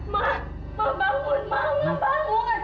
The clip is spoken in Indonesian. mama bangun mama bangun